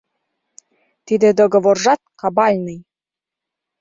Тиде договоржат кабальный!